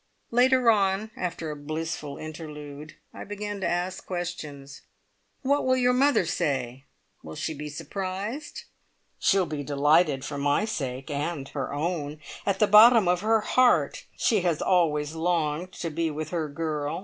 Later on after a blissful interlude I began to ask questions: "What will your mother say? Will she be surprised?" "She'll be delighted, for my sake, and her own! At the bottom of her heart she has always longed to be with her girl.